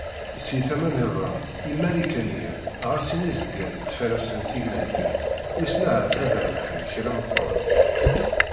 Si tama nniḍen, Imarikaniyen ɣas ini zgan ttfaraṣen tignatin wissen ahat ad d-rebḥen kra meqqren.